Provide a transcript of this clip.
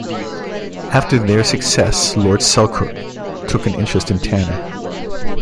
After their success, Lord Selkirk took an interest in Tanner.